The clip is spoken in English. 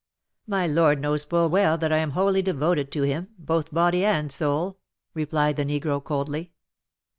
"My lord knows full well that I am wholly devoted to him, both body and soul," replied the negro, coldly.